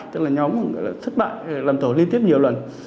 tức là nhóm thất bại làm tổ liên tiếp nhiều lần